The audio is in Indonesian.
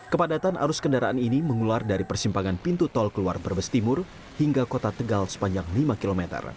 kepadatan arus kendaraan ini mengular dari persimpangan pintu tol keluar brebes timur hingga kota tegal sepanjang lima km